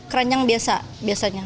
keranjang biasa biasanya